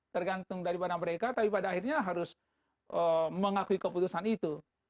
tergantung daripada mereka tapi pada akhirnya harus mengakui keputusan itu